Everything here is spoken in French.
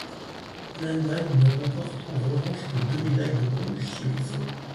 L'Allemagne ne remporte en revanche que deux médailles de bronze chez les hommes.